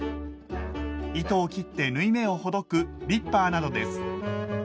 糸を切って縫い目をほどくリッパーなどです。